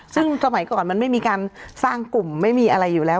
ซึ่งสมัยก่อนมันไม่มีการสร้างกลุ่มไม่มีอะไรอยู่แล้ว